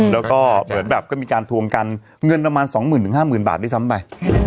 แล้วก็เหมือนแบบก็มีการทวงกันเงินประมาณสองหมื่นหรือห้าหมื่นบาทได้ซ้ำไป